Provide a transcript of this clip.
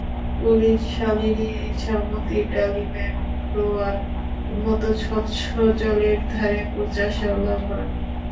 পুলিনশালিনী ইছামতীর ডালিমের রোয়ার মতো স্বচ্ছ জলের ধারে, কুচা শ্যাওলা ভরা।